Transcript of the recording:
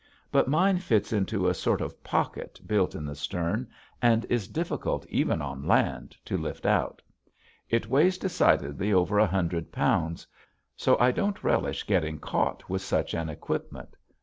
But mine fits into a sort of pocket built in the stern and is difficult even on land to lift out. It weighs decidedly over a hundred pounds. So I don't relish getting caught with such an equipment.